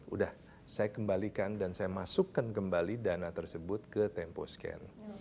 udah saya kembalikan dan saya masukkan kembali dana tersebut ke tempo scan